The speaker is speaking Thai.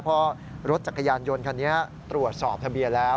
เพราะรถจักรยานยนต์คันนี้ตรวจสอบทะเบียนแล้ว